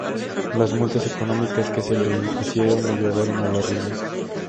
Las multas económicas que se le impusieron lo llevaron a la ruina.